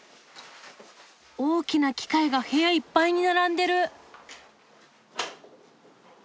大きな機械が部屋いっぱいに並んでる！